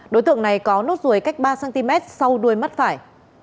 đối tượng này có nốt ruồi cách ba cm sau đuôi mắt phải